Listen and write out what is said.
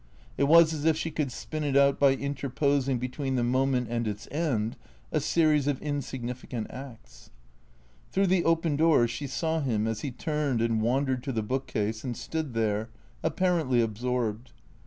It was as if she could spin it out by inter posing between the moment and its end a series of insignificant acts. Through the open doors she saw him as he turned and wan dered to the bookcase and stood there, apparently absorbed.